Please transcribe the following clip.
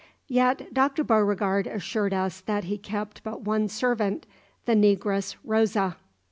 Yet Dr. Beauregard assured us that he kept but one servant the negress Rosa.